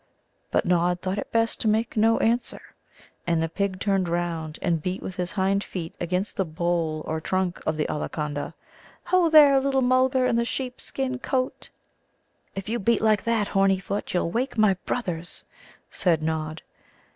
But Nod thought it best to make no answer. And the pig turned round and beat with his hind feet against the bole or trunk of the Ollaconda. "Ho, there, little Mulgar in the sheep skin coat!" "If you beat like that, horny foot, you'll wake my brothers," said Nod.